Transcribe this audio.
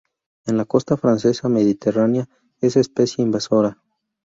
En la costa francesa mediterránea es especie invasora.